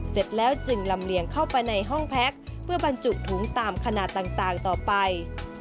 เสร็จแล้วจึงลำเลียงเข้าไปในห้องพักเพื่อบรรจุถุงตามขนาดต่างต่อไป